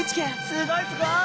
すごいすごい！